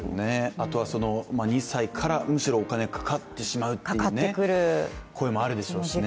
あとは２歳からむしろお金かかってしまうという、声もあるでしょうしね。